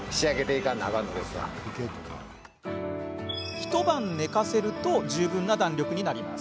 一晩、寝かせると十分な弾力になります。